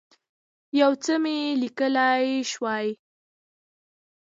یو څه مي لیکلای شوای.